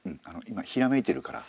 今ひらめいてるから。